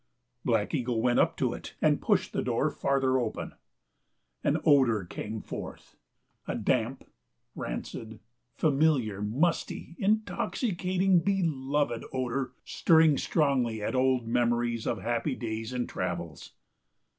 Black Eagle went up to it and pushed the door farther open. An odour came forth a damp, rancid, familiar, musty, intoxicating, beloved odour stirring strongly at old memories of happy days and travels.